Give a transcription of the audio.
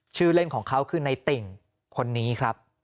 ชื่อเล่นของเขาคือในติ่งคนนี้ครับ